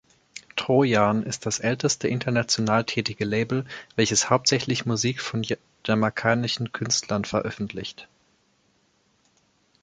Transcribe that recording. Trojan ist das älteste international tätige Label, welches hauptsächlich Musik von jamaikanischen Künstlern veröffentlicht.